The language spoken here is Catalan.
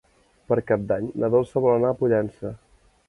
Per Cap d'Any na Dolça vol anar a Pollença.